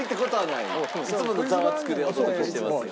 いつもの『ザワつく！』でお届けしてますが。